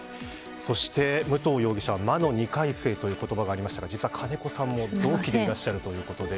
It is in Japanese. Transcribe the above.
そして武藤容疑者は魔の２回生という言葉がありましたが実は金子さんも同期でいらっしゃいます。